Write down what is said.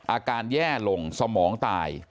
อาการแย่ลงสมองตาย